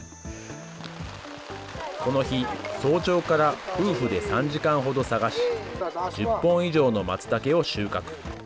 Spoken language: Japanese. この日、早朝から夫婦で３時間ほど探し、１０本以上のマツタケを収穫。